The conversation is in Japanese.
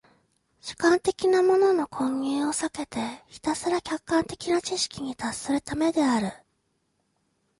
主観的なものの混入を避けてひたすら客観的な知識に達するためである。